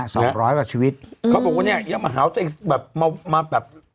สองร้อยกว่าชีวิตเขาบอกว่าเนี้ยยังมาหาตัวเองแบบมามาแบบ